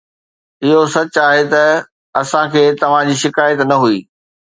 اهو سچ آهي ته اسان کي توهان جي شڪايت نه هئي